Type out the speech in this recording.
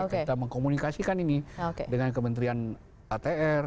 kita mengkomunikasikan ini dengan kementerian atr